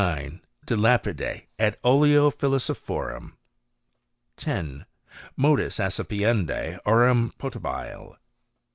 De Lapide et Oleo Philosophorum. 10. Modus accipiendi Aurum Potabile.